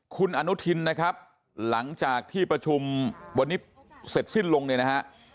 คุณอนุทินนะครับหลังจากที่ประชุมวันนี้เสร็จสิ้นลงเนี่ยนะฮะ